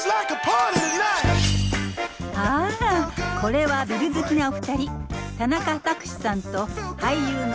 あぁこれはビル好きなお二人。